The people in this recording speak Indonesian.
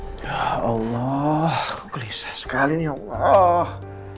ya allah gelisah sekali nih allah